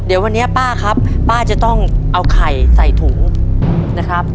เดี๋ยววันนี้ป้าครับป้าจะต้องเอาไข่ใส่ถุงนะครับ